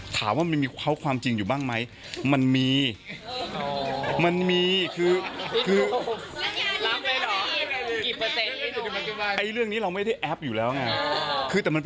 แต่ไม่ต้องเสียเวลาสืบ